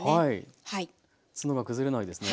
ツノが崩れないですね。